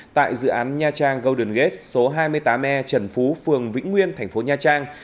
tại dự án nha trang golden gate số hai mươi tám e trần phú phường vĩnh nguyên thành phố nha trang